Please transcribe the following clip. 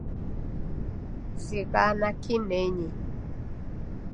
Zighana kinenyi